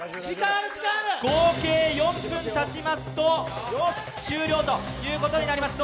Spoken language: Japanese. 合計４分たちますと終了ということになります。